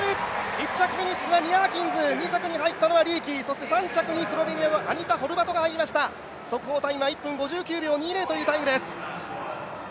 １着フィニッシュニア・アキンズ２着に入ったのはリーキーそして３着にスロベニアのアニタ・ホルバト、速報タイムは、１分５９秒２０というタイムです。